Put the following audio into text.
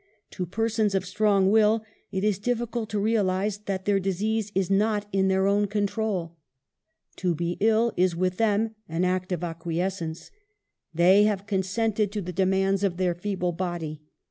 To persons of strong will it is difficult to realize that their dis ease is not in their own control. To be ill, is with them an act of acquiescence; they have consented to the demands of their feeble body.